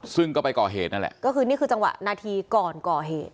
ซึ่งก็ไปก่อเหตุนั่นแหละก็คือนี่คือจังหวะนาทีก่อนก่อเหตุ